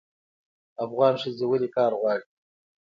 افغان ښځې ولې کار غواړي؟